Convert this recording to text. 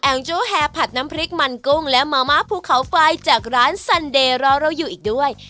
โจ้แฮผัดน้ำพริกมันกุ้งและมะม่าภูเขาไฟจากร้านซันเดย์รอเราอยู่อีกด้วย